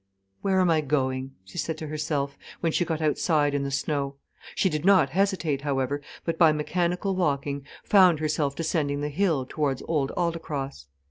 "Where am I going?" she said to herself, when she got outside in the snow. She did not hesitate, however, but by mechanical walking found herself descending the hill towards Old Aldecross.